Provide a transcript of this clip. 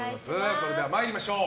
それでは参りましょう。